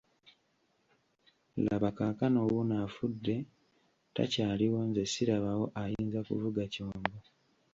Laba kaakano wuuno afudde takyaliwo nze sirabawo ayinza kuvuga kyombo.